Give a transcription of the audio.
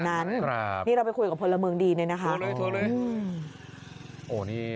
นั้นครับที่เราไปคุยกับพลเมืองดีเนี่ยนะคะโอ้นี่